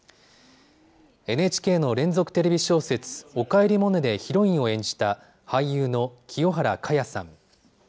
ＮＨＫの連続テレビ小説、おかえりモネでヒロインを演じた俳優の清原果耶さん。